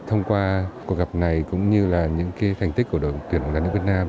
thông qua cuộc gặp này cũng như là những thành tích của đội tuyển bóng đá nữ việt nam